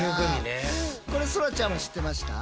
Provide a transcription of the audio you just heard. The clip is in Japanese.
これそらちゃんは知ってました？